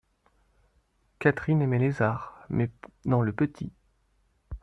Catherine aimait les arts, mais dans le petit.